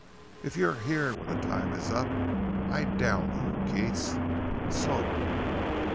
If you're here when that time is up, I down you, Keats! Slope!"